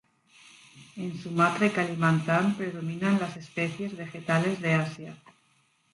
En Sumatra y Kalimantan, predominan las especies vegetales de Asia.